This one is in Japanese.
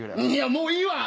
もういいわ！